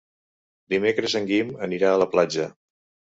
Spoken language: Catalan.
Dimecres en Guim anirà a la platja.